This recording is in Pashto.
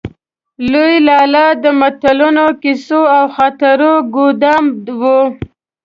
لوی لالا د متلونو، کيسو او خاطرو ګودام و.